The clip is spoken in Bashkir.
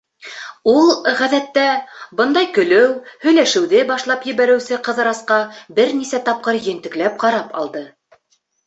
Ул, ғәҙәттә, бындай көлөү, һөйләшеүҙе башлап ебәреүсе Ҡыҙырасҡа бер нисә тапҡыр ентекләп ҡарап алды.